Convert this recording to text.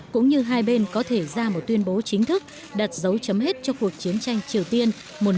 cũng như hai bên có thể ra một tuyên bố chính thức đặt dấu chấm hết cho cuộc chiến tranh triều tiên một nghìn chín trăm năm mươi một nghìn chín trăm năm mươi ba